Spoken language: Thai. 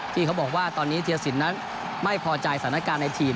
ที่เขาบอกว่าตอนนี้เทียสินนั้นไม่พอใจสถานการณ์ในทีม